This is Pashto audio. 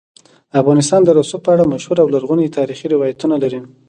افغانستان د رسوب په اړه مشهور او لرغوني تاریخی روایتونه لري.